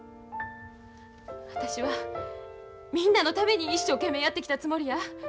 私はみんなのために一生懸命やってきたつもりや。